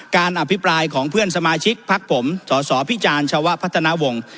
อภิปรายของเพื่อนสมาชิกพักผมสสพิจารณ์ชาวพัฒนาวงศ์